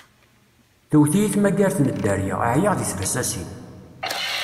Tewwet-iyi tmagart n dderya, ɛyiɣ di tbasasin.